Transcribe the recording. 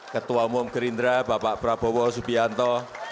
ketua umum gerindra bapak prabowo subianto